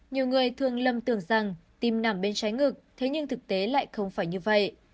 nhiều người thường lầm tưởng rằng tim nằm bên trái ngực thế nhưng thực tế lại không phải như vậy